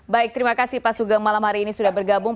baik terima kasih pak sugeng malam hari ini sudah bergabung